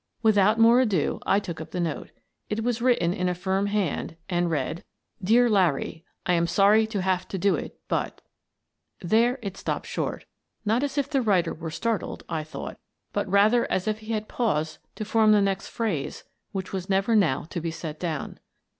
Without more ado, I took up the note. It was written in a firm hand, and read : "Dear Larry: I am sorry to have to do it, but —" There it stopped short, not as if the writer were startled, I thought, but rather as if he had paused to form the next phrase which was never now to be set down.